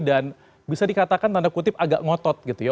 dan bisa dikatakan tanda kutip agak ngotot gitu ya